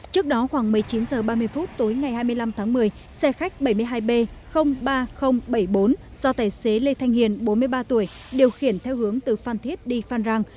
trước đó khoảng một mươi chín h ba mươi phút tối ngày hai mươi năm tháng một mươi xe khách bảy mươi hai b ba nghìn bảy mươi bốn do tài xế lê thanh hiền bốn mươi ba tuổi điều khiển theo hướng từ phan thiết đi phan rang